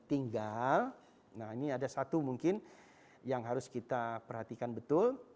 tinggal nah ini ada satu mungkin yang harus kita perhatikan betul